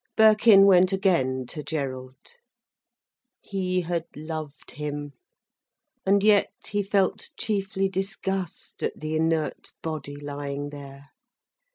Birkin went again to Gerald. He had loved him. And yet he felt chiefly disgust at the inert body lying there.